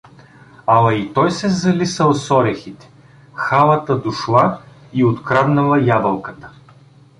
Ала и той се залисал с орехите, халата дошла и откраднала ябълката.